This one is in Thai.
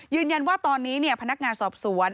ยืนยันว่าตอนนี้พนักงานสอบสวน